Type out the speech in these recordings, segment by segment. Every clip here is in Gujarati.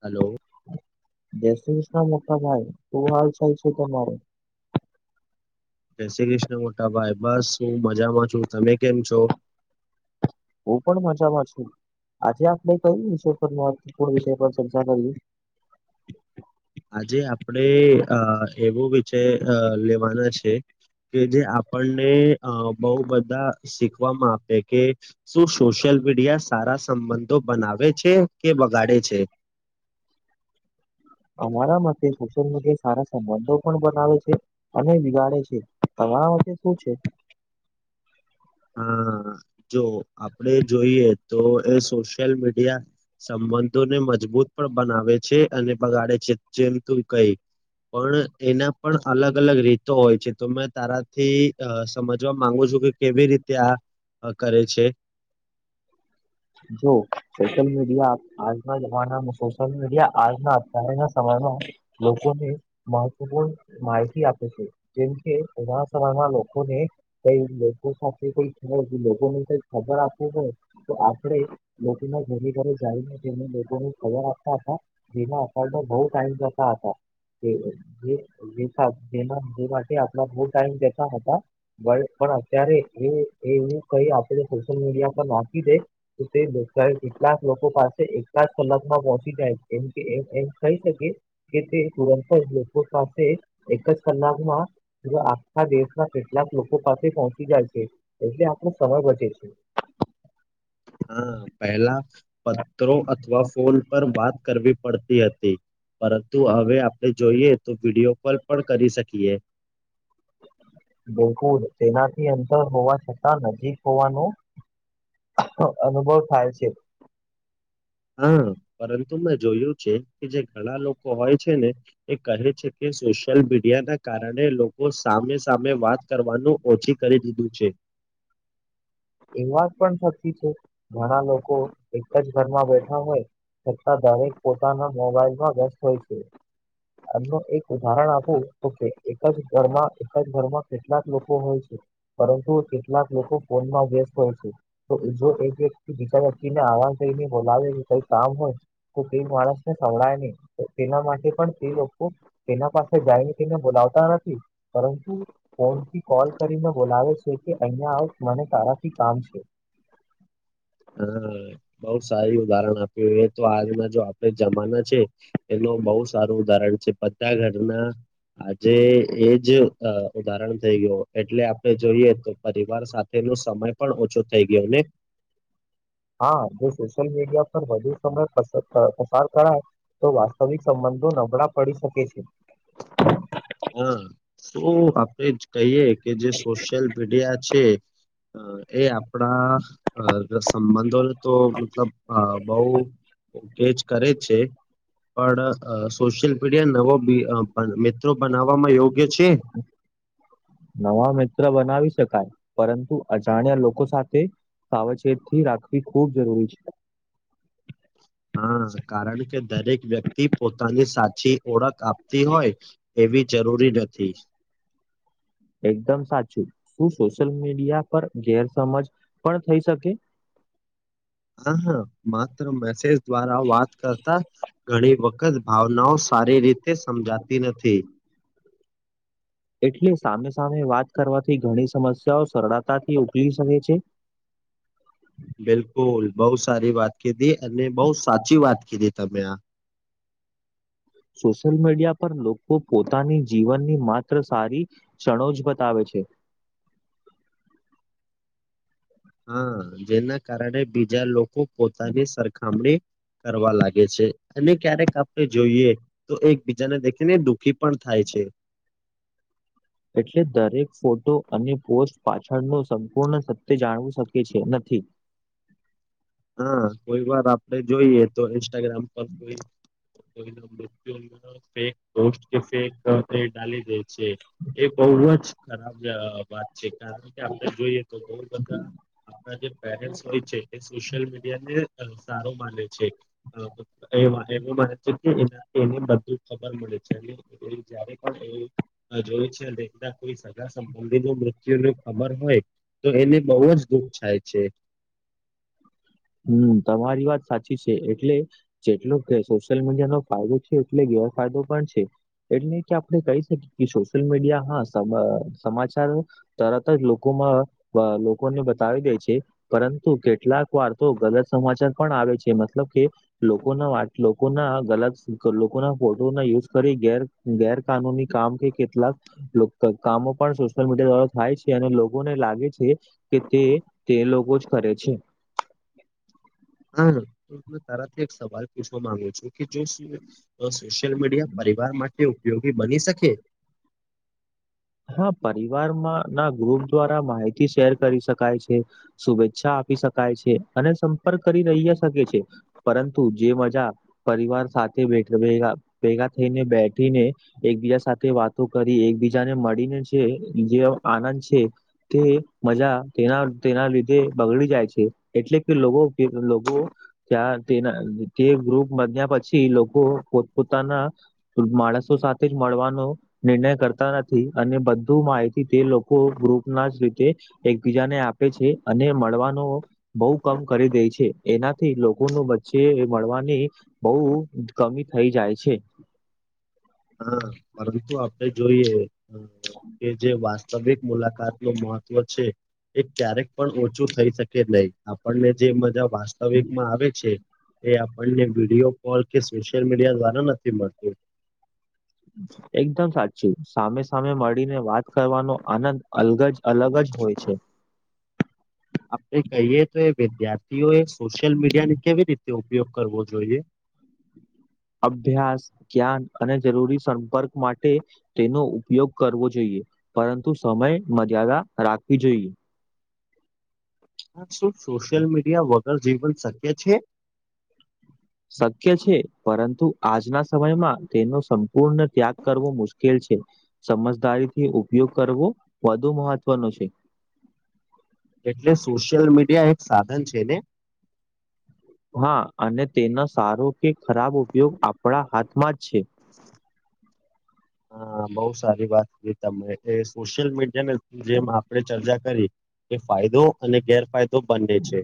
હલો. જય શ્રી કૃષ્ણ મોટા ભાઈ શ હાલ થાય છે તમારે જય શ્રી કૃષ્ણ. મોટા ભાઈ બસ, હું મજામાં છું, તમે કેમ છો? હું પણ મજામાં છું આજે આપણે કય વિષ પર મહત્વપૂર્ણ વિષય પર ચર્ચા કરી. આજે આપણે અ એવો વિષય લેવાના છે કે જે આપણને બહુ બધા શીખવામાં આપે કે શું સોશિયલ મીડિયા સારા સંબંધો બનાવે છે કે બગાડે છે. અમારા માટે સોશિયલ મીડિયા સારા સંબંધો પણ બનાવે છે અને બિગાડે છે તમારા માટે શું છે? હા જો આપડે જોઈએ તો એ સોશિયલ મીડિયા સંબંધોને મજબૂત પણ બનાવે છે અને બગાડે છે જેમ તું કઈ પણ એના પણ અલગ અલગ રીતો હોય છે તો મેં તારાથી સમજવા માંગુ છું કે કેવી રીતે આ કરે છે જો સોશલ મીડિયા આજના જમાનામાં સોશલ મીડિયા આજના અત્યારે ના સમયમાં લોકોને મહત્વપૂર્ણ માહિતી આપે છે જેમ કે ઉ સરના લોકોને કઈ લોકો સાથે કઈ ખ લોકોને કઈ ખબર આપવું પડ તો આરે ઘરે ઘરે જઈને તેમને લોકો ન ખબર આપતા હતા ભીમા અઉ બહ ટાઈમ જતો હતો જે માટે આપણા બ ટાઈમતા હતા પણ અત્યારે એ એવું કઈ આપે સોશિયલ મીડિયા પર નાખી દે. તે કેટલાક લોકો પાસે એકાદ કલાકમાં પહોંચી જાય એમ કે એમ એમ થઈ શકે કે તે તુરંત જ લોકો સાથે એક જ કલાકમાં જો આખા દેશના કેટલાક લોકો પાસે પહોંચી જાય છે એટલે આપણો સમય બચે છે. હા પહેલા પત્રો અથવા ફોન પર વાત કરવી પડતી હતી. પરંતુ હવે આપડે જોઈએ તો વિડીિયો કોલ પણ કરી શકીએ બિલકુલ તેનાથી અંતર હોવા છતાં નજીક હોવાનું અનુભવ થાય છે. હા પરંતુ મેં જોયું છે કે જે ઘણા લોકો હોય છે ને એ કહે છે કે સોશિયલ મીડિયા ના કારણે લોકો સામે સામે વાત કરવાનું ઓછી કરી દીધું છે એ વાત પણ સાચી છે ઘણા લોકો એક જ ઘરમાં બેઠા હોય છતા ધારીક પોતાના મોબાઈલમાં વ્યસ્ત હોય છે એમનું એક ઉદાહરણ આપું તો કે એક જ ઘરમાં એક જ ઘરમાં કેટલાક લોકો હોય છે પરંતુ કેટલાક લોકો ફોનમાં તો જો એક વ્યક્તિ બીજા વ્યક્તિને આરામ કરીને બોલાવે કે કઈ કામ હોય તે માણસ ને સંભળાય નહી તો તેના માટે પણ તે લોકો તેના પાસે જાયને તેને બોલાવતા નથી પરંતુ ફોનથી કોલ કરીને બોલાવે છે કે અહિયાં આવ મને તારાથી કામ છે હા બઉુ સારી ઉદાહરણ આપ્યું એ તો હાલના જો આપડણે જમાના છે એનું બહુ સારું ઉદાહરણ છે બતા ઘરના આજે એજ ઉદાહરણ થઈ ગયું એટલે આપણે જોઈએ તો પરિવાર સાથે ન સમય પણ ઓછો થઈ ગયો ને હા જો સોશિયલ મીડિયા પર વધુ સમય પ પસાર કરાય તો વાસ્તવિક સંબંધો નબળા પડી શકે છે હા શ આપડે જ કહીએ કે જે સોશિયલ મીડિયા છે અ એ આપણા સંબંધોને તો મતલબ બહુ કેચ કરે છે પણ સોશિયલ મીડિયા નવો બ મિત્રો બનાવવામાં યોગ્ય છે નવા મિત્ર બનાવી શકાય પરંતુ અજાણ્યા લોકો સાથે સાવચેત થી રાખવી ખૂબ જરૂરી છે હા કારણ કે દરેક વ્યક્તિ પોતાની સાચી ઓળખ આપતી હોય એવી જરૂરી નથી એકદમ સાચું શું સોશિયલ મીડિયા પર ગેરસજ પણ થઈ શકે હ હા માત્ર મેસેજ દ્વારા વાત કરતા ઘણી વખત ભાવનાઓ સારી રીતે સમજાતી નથી એટલે સામે સામે વાત કરવાથી ઘણી સમસ્યાઓ સરળતાથી ઉકેલી શકે છે બિલકુલ બહુ સારી વાત કીધી અને બઉુ સાચી વાત કીધી તમે આ સોશિયલ મીડિયા પર લોકો પોતાની જીવનની માત્ર સારી ચ્ણો જ બતાવે છે હા જેના કારણે બીજા લોકો પોતાની સરખામણી કરવા લાગે છે અને ક્યારેક આપણે જોઈએ તો એકબીજાને દેખીને દુઃખી પણ થાય છે એટલે દરેક ફોટો અને પોસ્ટ પાછળ ન સંપૂર્ણ સત્ય જાણવું શકે છે નથી હા કોઈ વાર આપડે જોઈએ તો ઇન્સ્ટાગ્રામ પર કોઈઈ મૃતુ ફેક પોસ્ટ કે ફેક ડી ગઈ છે એ બહુ જ ખરાબ વાત કારણ કે આપણે જોઈએ તો બહ બધા આપણા જે પેરે હોય છે સોશિયલ મીડિયા ને સારો માને છે એવ માને છે કે એનાથી એને બધું ખબર મળે છે અને પણ એ જોયું છે કોઈ સગા સંબંધી ન મૃત્યુ ન ખબર હોય તો એને બહુ જ દુઃખ થાય છે હમ તમારી વાત સાચી છે એટલે જેટલો કે સોશિયલ મીડિયા નો ફાયદો છે એટલે ગેવા ફાયદો પણ છે એટલે કે આપણે કહી શકીએ કે સોશિયલ મીડિયા હા સમાચાર તરત જ લોકોમાં લોકોને બતાવી દે છે પરંતુ કેટલાક વાર તો ગલત સમાચાર પણ આવે છે મતલબ કે લોકોના વાત લોકોના ગત લોકોના ફોટો ના યુઝ કરી ઘેર ગેરકાનૂની કામ કે કેટલાક કામો પણ સોશિયલ મીડિયા દ્વારા થાય છે, અને લોકોને લાગે છે. કે તે તે લોકો જ કરે છે. હા તારાથી એક સવાલ પૂછવા માંગુ છું કે જો શું તો સોશિયલ મીડિયા પરિવાર માટે ઉપયોગી બની શકે હા પરિવારમાં ના ગ્રુપ દ્વારા માહિતી શેર કરી શકાય છે. શુભેચ્છા આપી શકાય છે, અને સંપર્ક કરી રહીયા શકે છે, પરંતુ જે મજા પરિવાર સાથે બેઠ ભેગા ભેગા થઈને બેઠીને એકબીજા સાથે વાતો કરી એકબીજાને મળીને જે જે આનંદ છે. તે મજા તેના તેના લીધે બગડી જાય છે, એટલે કે લોકો કે લોકો ત્યાં તેના તે ગ્રુપ બન્યા પછી લોકો પોત પોતાના માણસો સાથે જ મળવાનો નિર્ણય કરતા નથી અને બધું માહિતી તે લોકો ગ્રુપ ના જ રીતે એકબીજાને આપે છે, અને મળવાનો બોવ કમ કરી દે છે, એનાથી લોકોનુ વચ્ચે એ મળવાની બોવ કમી થઈ જાય છે. હા પરંતુ આપણે જોઈએ કે જે વાસ્તવિક મુલાકાત મહત્વ છે, એ ક્યારેક પણ ઓછું થઈ શકે નય આપણને જે મજા વાસ્તવિકમાં આવે છે, એ આપણને વિડીયો કોલ કે સોશિયલ મીડિયા દ્વારા નથી મળતુ એકદમ સાચું સામે સામે મળીને વાત કરવાનો આનંદ અલગ જ અલગ જ હોય છે. આપણે કહીએ તો વિદ્યાર્થીઓ એ સોશિયલ મીડિયા ને કેવી રીતે ઉપયોગ કરવો જોઈએ અભ્યાસ જ્ઞાન અને જરૂરી સંપર્ક માટે તેનો ઉપયોગ કરવો જોઈએ પરંતુ સમય મર્યાદા રાખવી જોઈએ હા શું સોશિયલ મીડિયા વગર જીવન શક્ય છે. શક્ય છે, પરંતુ આજના સમયમાં તેનો સંપૂર્ણ ત્યાગ કરવો મુશ્કેલ છે. સમજદારીથી ઉપયોગ કરવો વધુ મહત્વનો છે. એટલે સોશિયલ મીડિયા એક સાધન છે ને હા અને તેનો સારો કે ખરાબ ઉપયોગ આપણા હાથમાં જ છે. હા બોવ સારી વાત તમે એ સોશિયલ મીડિયાને જેમ આપડે ચર્ચા કરીએ એ ફાયદો અને ગેરફાયદો બંને છે.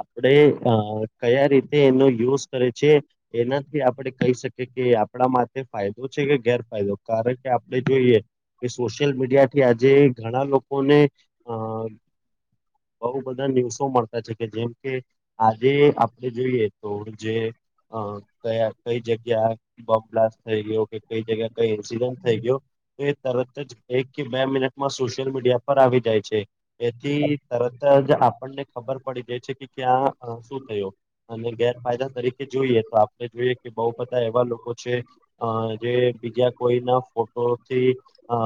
આપણે અ કયા રીતે એનો યુઝ કરે છે. એનાથી આપડે કહી શકીએ કે આપણા માટે ફાયદો છે કે ગેર ફાયદો કારણ કે આપણે જોઈએ કે સોશિયલ મીડિયા કે આજે ઘણા લોકોને અ બોવ બધા ન્યુઝો મળતા છે કે જેમ કે આજે આપ જોઈએ તો જે કયા કઈ જગ્યા બોમ્બ બ્લાસ્ટ થય ગયો કે કઈ જગ્યા કઈ એન્સિડન્ટ થઈ ગયો તો એ તરત જ એક કે બે મિનિટમાં સોશિયલ મીડિયા પર આવી જાય છે. એથી તરત જ આપણને ખબર પડી ગઈ છે કે ક્યાં શું થયું અને ગેરફાયદા તરીકે જોઈએ તો આપણે જોઈએ કે બોવ બધા એવા લોકો છે. અ જે બીજા કોઈના ફોટોથી અ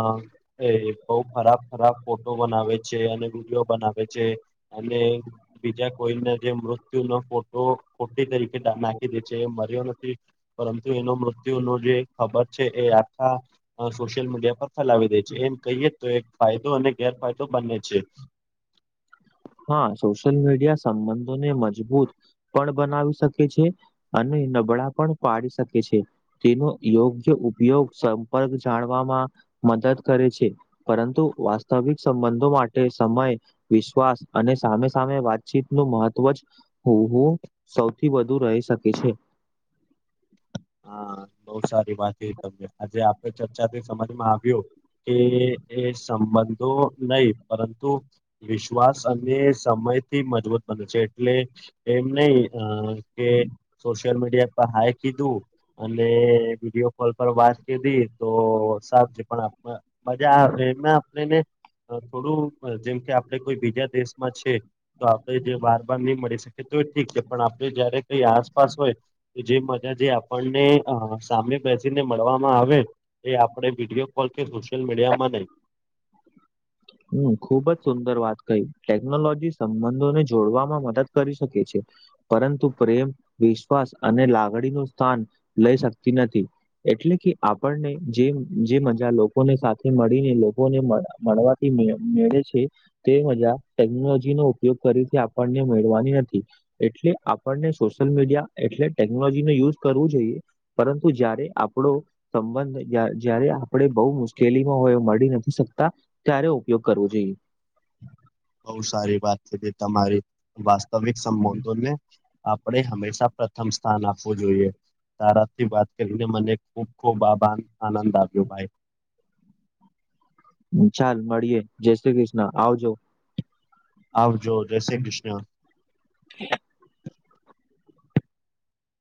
એ બોવ ખરાબ ખરાબ ફોટો બનાવે છે, અને વિડીયો બનાવે છે. અને. બીજા કોઈને જે મૃત્યુનો ફોટો ખોટી તરીકે નાખી દે છે, એ મર્યો નથી પરંતુ એનો મૃત્યુનો જે ખબર છે એ આખા સોશિયલ મીડિયા પર ફેલાવી દે છે, એમ કહીએ તો એક ફાયદો અને ગેરફાયદો બને છે. હા સોશિયલ મીડિયા સંબંધોને મજબૂત પણ બનાવી શકે છે. અને નબળા પણ પાડી શકે છે. તેનો યોગ્ય ઉપયોગ સંપર્ક જાણવામાં મદદ કરે છે પરંતુ વાસ્તવિક સંબંધો માટે સમય વિશ્વાસ અને સામે સામે વાતચીત નું મહત્વ જ હું હું સૌથી વધુ રહી શકે છે હા બો સારી વાત [unintelligible] આજે આ ચર્ચા [inaudible] સમજમાં આવ્યો એ એ બંધો નઈ પરંતુ વિશ્વાસ અને સમયથી મજબૂત બને છે એટલે એમ નઈ કે સોશિયલ મીડિયા પર હાય કીધું અને વિડિયો કોલ પર વાત કીધી તો [unintelligible] થોડું જેમ કે આપડ કોઈ બીજા દેશમાં છે તો આપણે જે બાર બાર ની મળી શકી તો એ ઠીક છે પણ આપણે જયારે કઈ આસપાસ હોય જે મજા જે આપણને સામે બેસીને મળવામાં આ એ આપણે વિડીયો કોલ કે સોશિયલ મીડિયામાં [inaudible] હમ [unintelligible] વાત કઈ ટેકનોલોજી સંબંધોને જોડવામાં મદદ કરી શકે છે પરંતુ પ્રેમ વિશ્વાસ અને લાગણી નું સ્થાન લઈ શકતી નથી એટલે કે આપણને જે જે મજા લોકોને સાથે મળીને લોકોને મળવા [inaudible] મેળે છે તે મજા ટેકનોલોજી નો ઉપયોગ [unintelligible] આપણને મેળવાની નથી એટલે આપણને સોશિયલ મીડિયા એટલે ટેકનોલોજી નો યુઝ કરવું જોઈએ પરંતુ જ્યારે આપ [inaudible] સંબંધ જયારે આપણે બો મુશ્કેલીમાં હોય મળી નથી શકતા ક્યારે ઉપયોગ કરવો જોઈએ બો સારી વાત કીધી તમારી વાસ્તવિક સંબંધોને આપણે હંમેશા પ્રથમ સ્થાન આપવું જોઈએ તારાથી વાત કરીને મને ખૂબ ખૂબ આભાન આનંદ આવ્યો ભાઈ ચાલ મળીયે જય શ્રી કૃષ્ણ આવજો આવજો જય શ્રી કૃષ્ણ